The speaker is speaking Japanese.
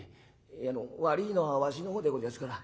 あの悪いのはわしの方でごぜえやすから。